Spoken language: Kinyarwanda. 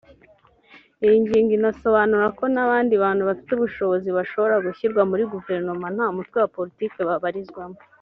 Iyi ngingo inasobanura ko n’abandi bantu bafite ubushobozi bashobora gushyirwa muri Guverinoma nta mutwe wa politiki babarizwamo